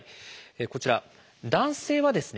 こちら男性はですね